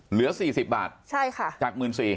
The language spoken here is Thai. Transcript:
เหลือ๔๐บาทจากหมื่นสี่